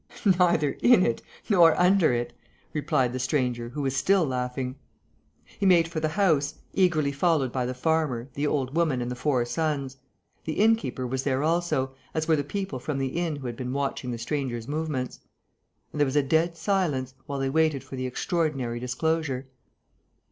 "Neither in it nor under it," replied the stranger, who was still laughing. He made for the house, eagerly followed by the farmer, the old woman and the four sons. The inn keeper was there also, as were the people from the inn who had been watching the stranger's movements. And there was a dead silence, while they waited for the extraordinary disclosure.